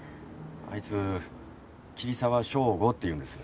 あいつ桐沢祥吾っていうんです。